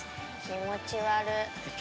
気持ち悪っ。